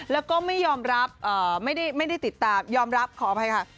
แล้วก็ไม่ยอมรับไม่ได้ติดตามยอมรับขออภัยค่ะ